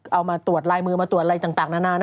เอามาตรวจลายมือมาตรวจอะไรต่างนานา